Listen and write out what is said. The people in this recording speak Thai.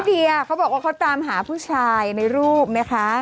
เดียเขาบอกว่าเขาตามหาผู้ชายในรูปนะคะ